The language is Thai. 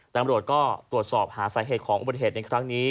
ตำรวจก็ตรวจสอบหาสาเหตุของอุบัติเหตุในครั้งนี้